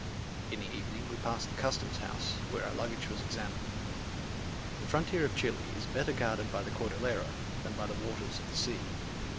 In the evening we passed the custom house, where our luggage was examined. The frontier of Chile is better guarded by the Cordillera, than by the waters of the sea.